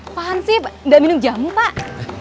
apaan sih enggak minum jamu pak